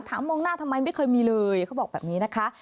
มองหน้าทำไมไม่เคยมีเลยเขาบอกแบบนี้นะคะ